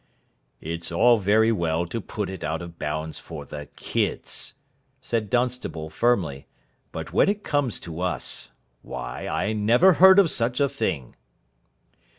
"It's all very well to put it out of bounds for the kids," said Dunstable, firmly, "but when it comes to Us why, I never heard of such a thing."